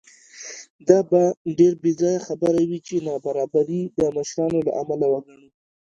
دا به ډېره بېځایه خبره وي چې نابرابري د مشرانو له امله وګڼو.